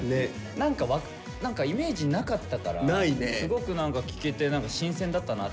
何か何かイメージなかったからすごく何か聞けて新鮮だったなって。